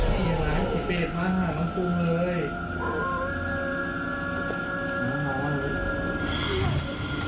เห็นไหมผีเปรตมาหาของภูมิเลย